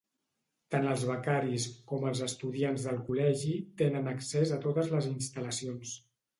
Tant els becaris com els estudiants del col·legi tenen accés a totes les instal·lacions.